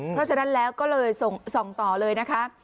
เพราะฉะนั้นแล้วก็เลยส่งต่อเลยนะคะ